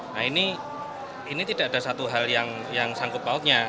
nah ini tidak ada satu hal yang sanggup outnya